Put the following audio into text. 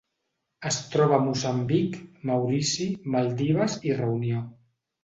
Es troba a Moçambic, Maurici, Maldives i Reunió.